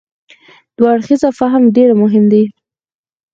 دوه اړخیز فهم ډېر مهم دی.